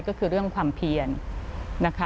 ก็คือเรื่องความเพียง